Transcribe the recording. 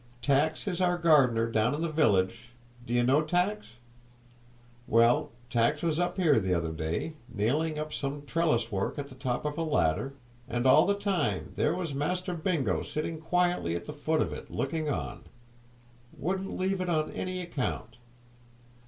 Tacks is our gardener down in the village (d' ye know Tacks?). Well, Tacks was up here the other day, nailing up some trellis work at the top of a ladder, and all the time there was Master Bingo sitting quietly at the foot of it looking on; wouldn't leave it on any account.